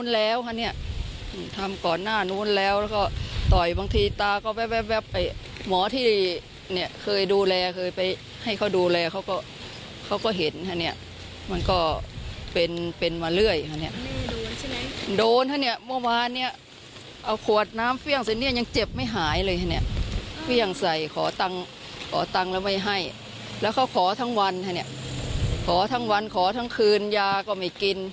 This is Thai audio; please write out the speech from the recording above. แล้วเขาขอทั้งวันค่ะเนี่ยขอทั้งวันขอทั้งคืนยาก็ไม่กิน